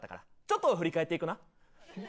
ちょっと振り返っていくな。